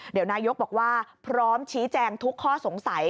เดี๋ยวนายกบอกว่าพร้อมชี้แจงทุกข้อสงสัย